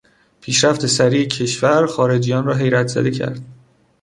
پیشرفت سریع کشور، خارجیان را حیرت زده کرد.